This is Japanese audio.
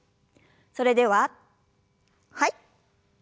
それでははい。